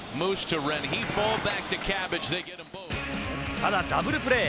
ただ、ダブルプレー。